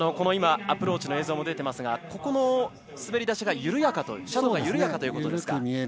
アプローチの映像も出てますがここの滑り出しが緩やかということですか。